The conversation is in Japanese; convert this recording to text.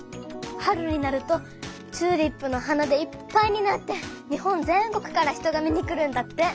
春になるとチューリップの花でいっぱいになって日本全国から人が見に来るんだって。